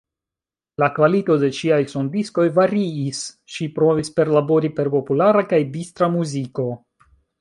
La kvalito de ŝiaj sondiskoj variis; ŝi provis perlabori per populara kaj distra muziko.